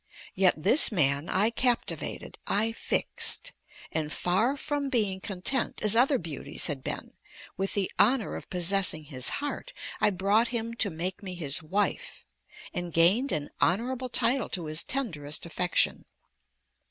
Yet this man I captivated, I fixed; and far from being content, as other beauties had been, with the honor of possessing his heart, I brought him to make me his wife, and gained an honorable title to his tenderest affection.